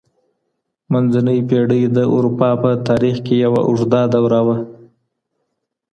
منځنۍ پېړۍ د اروپا په تاريخ کي يوه اوږده دوره وه.